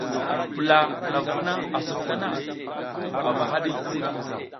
Pula ɗaf vuna a suf tana vu ava haɗi.